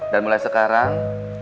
dan mulai sekarang